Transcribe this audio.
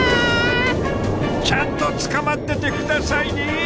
ちゃんとつかまってて下さいね。